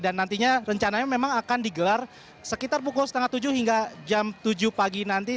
dan nantinya rencananya memang akan digelar sekitar pukul setengah tujuh hingga jam tujuh pagi nanti